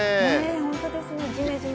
本当ですね、じめじめ。